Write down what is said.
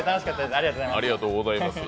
ありがとうございます。